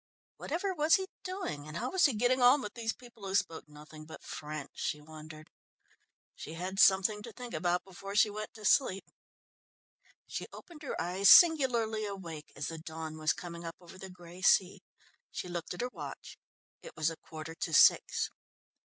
Whatever was he doing, and how was he getting on with these people who spoke nothing but French, she wondered! She had something to think about before she went to sleep. She opened her eyes singularly awake as the dawn was coming up over the grey sea. She looked at her watch; it was a quarter to six.